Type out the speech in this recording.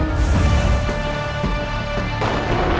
aku mau ke kanjeng itu